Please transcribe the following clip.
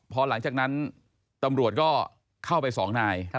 พอหลังจากนั้นตำรวจก็เข้าไปสองนาย